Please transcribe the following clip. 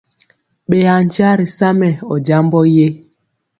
Ɓeya nkya ri sa mɛ ɔ jambɔ ye?